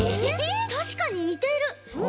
たしかににてる！